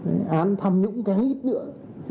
án tham nhũng kéo ít nữa